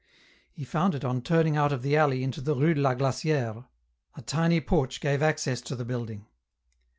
" He found it on turning out of the alley into the Rue de la Glacibre. A tiny porch gave access to the building.